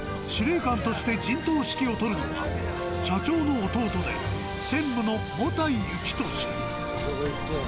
司令官として陣頭指揮を執るのは、社長の弟で、専務の茂田井ゆきとし。